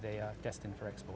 mereka disediakan untuk ekspor